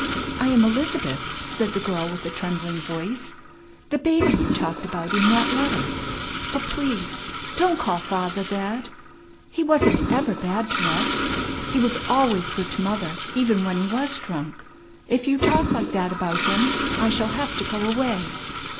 "I am Elizabeth," said the girl with a trembling voice, "the baby you talked about in that letter. But please don't call father that. He wasn't ever bad to us. He was always good to mother, even when he was drunk. If you talk like that about him, I shall have to go away."